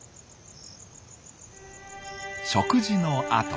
食事のあと。